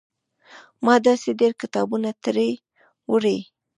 ما داسې ډېر کتابونه ترې وړي.